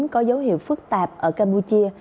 có dấu hiệu phức tạp ở campuchia